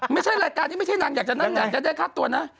ไม่ใช่รายการนี้ไม่ใช่นางอยากจะนั่นอยากจะได้ค่าตัวนะ